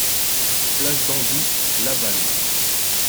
Place d'Anjou, Laval